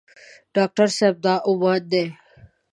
ډاکټر صاحبې دا عمان دی.